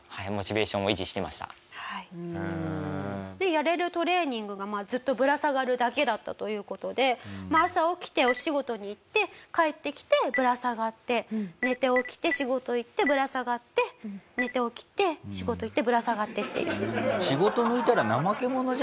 やれるトレーニングがずっとぶら下がるだけだったという事で朝起きてお仕事に行って帰ってきてぶら下がって寝て起きて仕事行ってぶら下がって寝て起きて仕事行ってぶら下がってっていう。